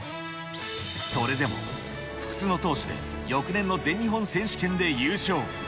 それでも不屈の闘志で翌年の全日本選手権で優勝。